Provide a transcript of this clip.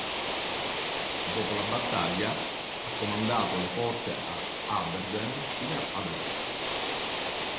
Dopo la battaglia, ha comandato le forze a Aberdeen fino ad agosto.